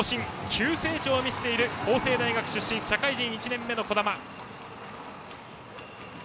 急成長を見せている法政大学出身社会人１年目です。